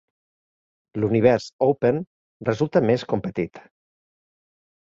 L'univers "open" resulta més competit.